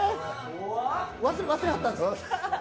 ・怖っ忘れはったんですか？